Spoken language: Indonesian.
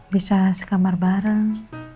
bisa sekamar bareng